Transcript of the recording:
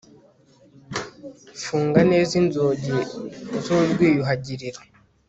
funga neza inzugi z urwiyuhagiriro